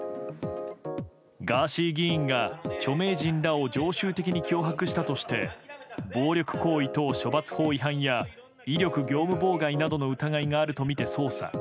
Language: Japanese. ガーシー議員が著名人らを常習的に脅迫したとして暴力行為等処罰法違反や威力業務妨害などの疑いがあるとみて捜査。